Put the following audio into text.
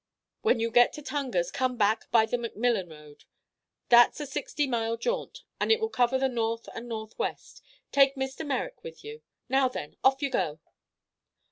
When you get to Tungar's, come back by the McMillan road. That's a sixty mile jaunt, and it will cover the north and northwest. Take Mr. Merrick with you. Now, then, off you go!"